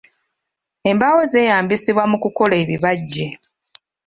Embaawo zeeyambisibwa mu kukola ebibajje.